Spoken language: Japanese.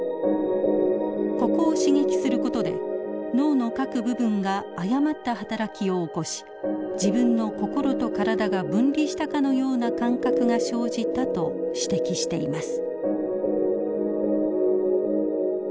ここを刺激する事で脳の各部分が誤った働きを起こし自分の心と体が分離したかのような感覚が生じたと指摘しています。